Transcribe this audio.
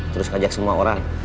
terus kajak semua orang